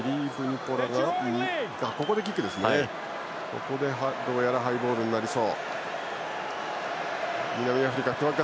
ここでハイボールになりそう。